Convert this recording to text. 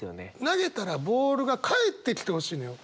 投げたらボールが返ってきてほしいのよ。